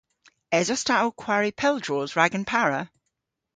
Esos ta ow kwari pel droos rag an para?